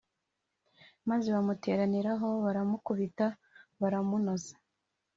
maze bamuteraniraho baramukubita baramunoza”